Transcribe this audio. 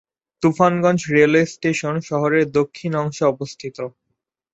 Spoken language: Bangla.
তুফানগঞ্জ রেলওয়ে স্টেশন শহরের দক্ষিণ অংশে অবস্থিত।